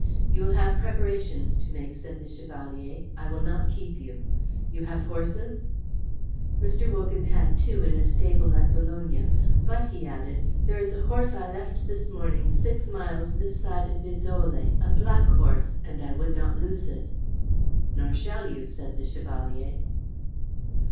"You will have preparations to make," said the Chevalier. "I will not keep you. You have horses?" Mr. Wogan had two in a stable at Bologna. "But," he added, "there is a horse I left this morning six miles this side of Fiesole, a black horse, and I would not lose it." "Nor shall you," said the Chevalier.